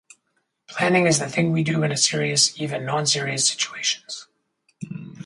Planning is the thing we do in a serious, even non-serious situations.